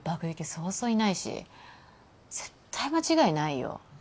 そうそういないし絶対間違いないよ